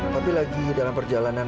papi lagi dalam perjalanan